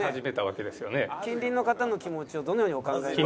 「近隣の方の気持ちをどのようにお考えに？」。